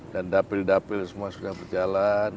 dan dapil dapil semua sudah berjalan